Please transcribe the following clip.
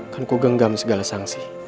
kan kugenggam segala sanksi